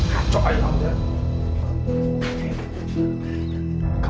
hah coarel udah